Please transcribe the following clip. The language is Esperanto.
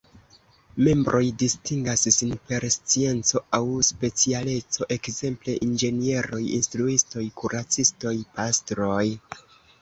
Membroj distingas sin per scienco aŭ specialeco, ekzemple inĝenieroj, instruistoj, kuracistoj, pastroj.